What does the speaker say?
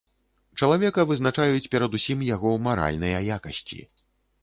Чалавека вызначаюць перадусім яго маральныя якасці.